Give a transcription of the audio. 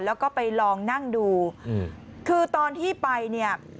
แล้วก็ไปลองนั่งดูอืมคือตอนที่ไปเนี่ย